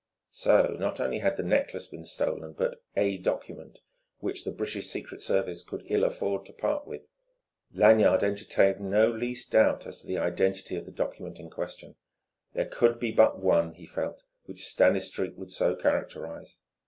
So not only had the necklace been stolen but "a document" which the British Secret Service "could ill afford to part with"! Lanyard entertained no least doubt as to the identity of the document in question. There could be but one, he felt, which Stanistreet would so characterize.